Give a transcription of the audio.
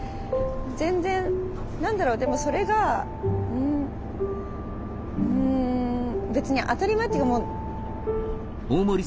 全然何だろうでもそれがうん別に当たり前っていうか。